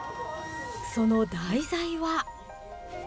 その題材は。